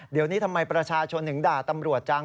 เดี๋ยวนี้ทำไมประชาชนถึงด่าตำรวจจัง